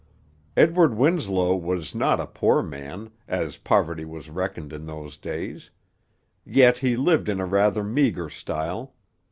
Edward Winslow was not a poor man, as poverty was reckoned in those days. Yet he lived in rather meagre style.